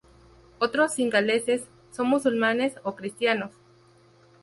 Otros cingaleses son musulmanes o cristianos.